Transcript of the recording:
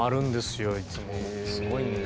すごいんですよ。